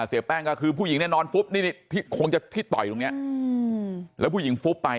เสพแป้งก็คือผู้หญิงแน่นอนนี่นี่ที่คงจะทิศต่อยตรงเนี้ยอืมแล้วผู้หญิงไป